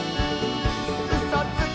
「うそつき！」